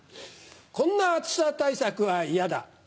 こんな暑さ対策は嫌だ。